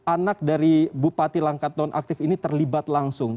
anak dari bupati langkat nonaktif ini terlibat langsung